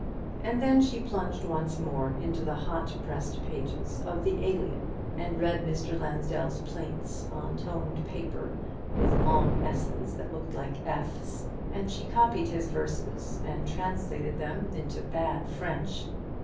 And then she plunged once more into the hot pressed pages of the "Alien," and read Mr. Lansdell's plaints, on toned paper, with long s's that looked like f's. And she copied his verses, and translated them into bad French.